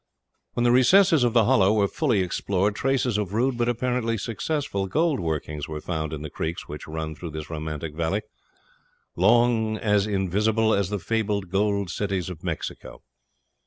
When the recesses of the Hollow were fully explored, traces of rude but apparently successful gold workings were found in the creeks which run through this romantic valley long as invisible as the fabled gold cities of Mexico.